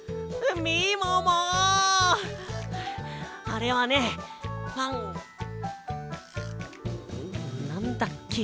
あれはね「ファン」なんだっけ？